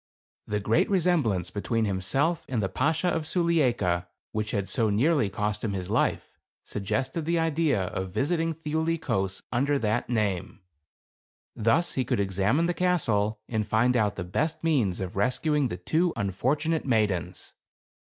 The great resemblance between himself and the Bashaw of Sulieika, which had so nearly cost him his life, suggested the idea of visiting Thiuli Kos under that name. Thus he could ex amine the castle, and find out the best means of rescuing the two unfortunate maidens.